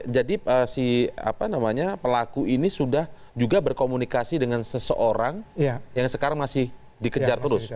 jadi si pelaku ini sudah juga berkomunikasi dengan seseorang yang sekarang masih dikejar terus